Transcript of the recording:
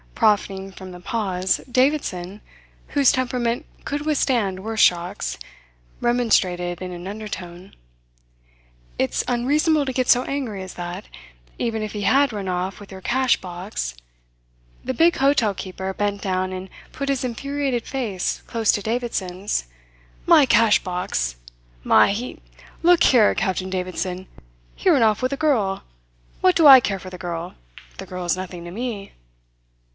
Profiting from the pause, Davidson, whose temperament could withstand worse shocks, remonstrated in an undertone: "It's unreasonable to get so angry as that. Even if he had run off with your cash box " The big hotel keeper bent down and put his infuriated face close to Davidson's. "My cash box! My he look here, Captain Davidson! He ran off with a girl. What do I care for the girl? The girl is nothing to me."